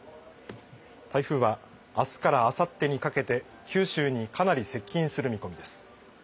台風はあすからあさってにかけて九州にかなり接近する見込みです。